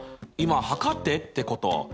今測ってってこと。